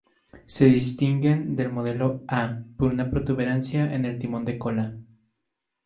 Se distinguen del modelo "A" por una protuberancia en el timón de cola.